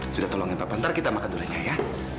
sudah tolongin papa ntar kita makan duranya ya